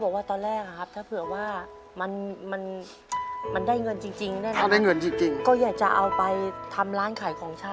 ครับถ้าเผื่อว่ามันมันมันได้เงินจริงจริงได้ถ้าได้เงินจริงจริงก็อยากจะเอาไปทำร้านขายของชาติ